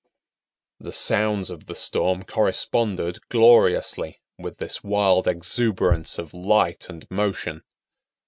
The sounds of the storm corresponded gloriously with this wild exuberance of light and motion.